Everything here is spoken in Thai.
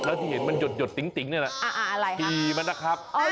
แล้วที่เห็นมันหยดติ๋งนี่แหละ